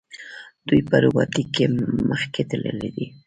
دوی په روباټیک کې مخکې تللي دي.